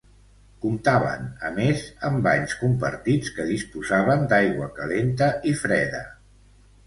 Comptaven, a més, amb banys compartits que disposaven d'aigua calenta i freda.